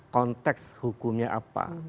konteks hukumnya apa